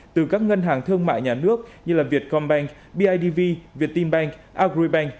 từ các ngân hàng thương mại nhà nước như việtcombank bidv việt timbank agribank